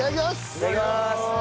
いただきます！